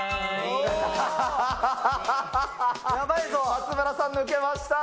松村さん、抜けました。